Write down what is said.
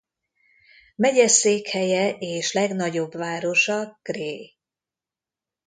Megyeszékhelye és legnagyobb városa Gray.